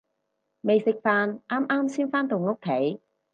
未食飯，啱啱先返到屋企